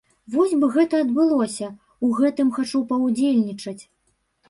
Вось бы гэта адбылося, у гэтым хачу паўдзельнічаць!